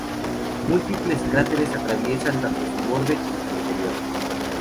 Múltiples cráteres atraviesan tanto su borde como su interior.